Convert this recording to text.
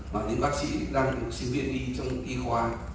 và những bác sĩ đang sinh viên y trong y khoa